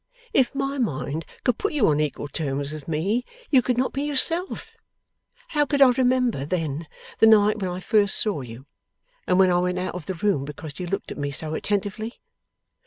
If my mind could put you on equal terms with me, you could not be yourself. How could I remember, then, the night when I first saw you, and when I went out of the room because you looked at me so attentively?